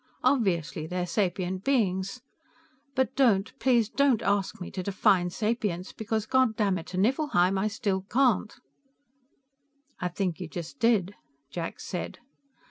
Obviously they are sapient beings. But don't please don't ask me to define sapience, because God damn it to Nifflheim, I still can't!" "I think you just did," Jack said.